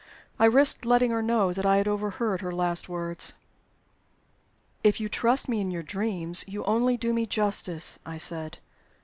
I risked letting her know that I had overheard her last words. "If you trust me in your dreams, you only do me justice," I said.